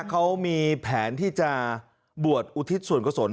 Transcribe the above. เขามีแผนที่จะบวชอุทิศส่วนกุศล